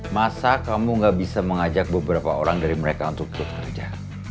masa kamu gak bisa mengajak beberapa orang dari mereka untuk bekerja